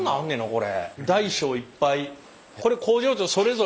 これ。